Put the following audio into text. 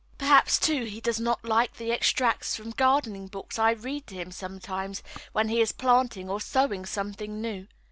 Perhaps, too, he does not like the extracts from gardening books I read to him sometimes when he is planting or sowing something new.